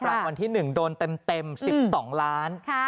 รางวัลที่๑โดนเต็ม๑๒ล้าน